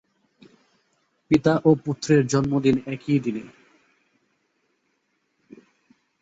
পিতা ও পুত্রের জন্মদিন একই দিনে।